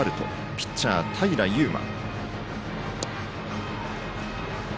ピッチャー、平悠真。